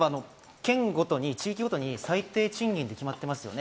県ごとに、地域ごとに最低賃金が決まってますね。